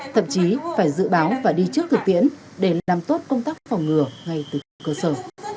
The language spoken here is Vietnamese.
thậm chí phải dự báo và đi trước thực tiễn để làm tốt công tác phòng ngừa ngay từ trước cơ sở